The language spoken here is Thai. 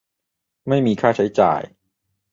ไม่มีค่าใช้จ่าย